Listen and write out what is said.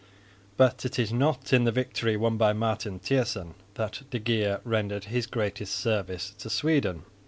But it is not in the victory won by Marten Thijssen that de Geer rendered his greatest service to Sweden.